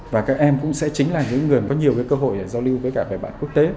và các em cũng sẽ chính là những người có nhiều cơ hội giao lưu với các bài bản quốc tế